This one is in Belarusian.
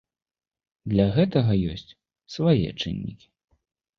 Для гэтага ёсць свае чыннікі.